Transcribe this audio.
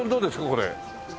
これ。